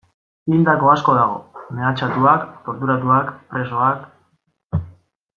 Hildako asko dago, mehatxatuak, torturatuak, presoak...